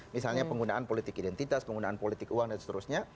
misalnya penggunaan politik identitas penggunaan politik uang dan seterusnya